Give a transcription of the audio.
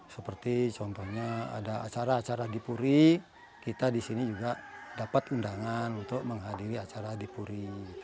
seperti contohnya ada acara acara di puri kita di sini juga dapat undangan untuk menghadiri acara di puri